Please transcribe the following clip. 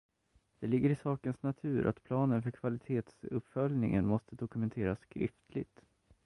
Det ligger i sakens natur att planen för kvalitetsuppföljningen måste dokumenteras skriftligt.